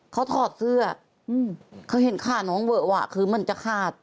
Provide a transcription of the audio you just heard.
เขาถอดเสื้อเขาเห็นขาน้องเวอะวะคือมันจะขาด